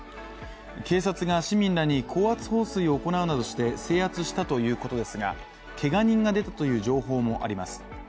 警察が市民らに高圧放水を行うなどして制圧したということですがけが人が出たという情報もあります。